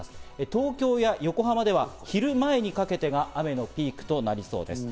東京や横浜では昼前にかけてが雨のピークとなりそうです。